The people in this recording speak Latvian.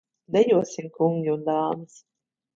Dejosim, kungi un dāmas!